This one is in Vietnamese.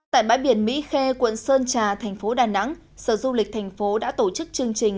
tại bãi biển mỹ khê quận sơn trà thành phố đà nẵng sở du lịch thành phố đã tổ chức chương trình